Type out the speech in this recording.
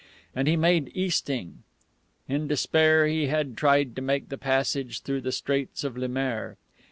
And he made easting. In despair, he had tried to make the passage through the Straits of Le Maire.